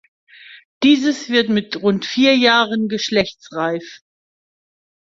Dieses wird mit rund vier Jahren geschlechtsreif.